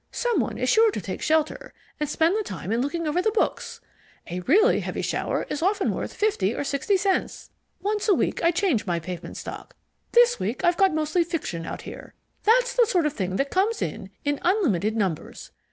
Someone is sure to take shelter, and spend the time in looking over the books. A really heavy shower is often worth fifty or sixty cents. Once a week I change my pavement stock. This week I've got mostly fiction out here. That's the sort of thing that comes in in unlimited numbers.